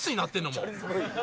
もう。